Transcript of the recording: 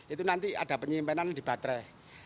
itu nanti ada penyimpanan di baterai